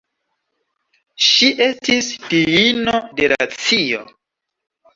Ŝi estis diino de racio.